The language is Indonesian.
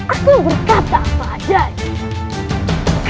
aku tidak menarik